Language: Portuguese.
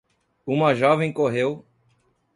uma jovem correu